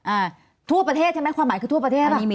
อ่าทั่วประเทศใช่ไหมความหมายคือทั่วประเทศ